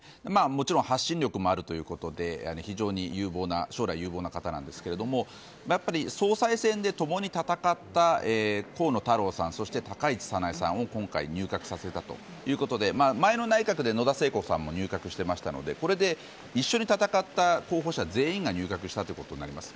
もちろん発信力もあるということで非常に将来有望な方なんですけどやっぱり、総裁選で共に戦った河野太郎さんそして高市早苗さんを今回入閣させたということで前の内閣で野田聖子さんも入閣してましたのでこれで一緒に戦った候補者全員が入閣したということになります。